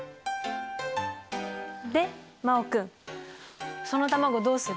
で真旺君その卵どうする？